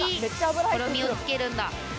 とろみをつけるんだ。